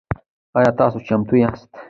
آیا تاسو چمتو یاست؟